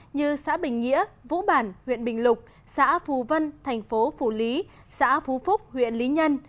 như xã bình nghĩa vũ bản huyện bình lục xã phù vân thành phố phủ lý xã phú phúc huyện lý nhân